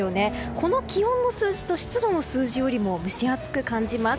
この気温の数字と湿度の数字よりも蒸し暑く感じます。